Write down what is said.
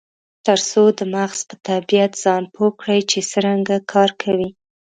ترڅو د مغز په طبیعت ځان پوه کړي چې څرنګه کار کوي.